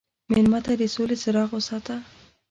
مېلمه ته د سولې څراغ وساته.